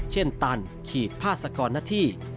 เช่นตันขีดพาสกรนาธี